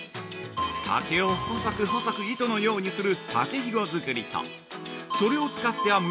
竹を細く細く糸のようにする竹ひご作りとそれを使って編む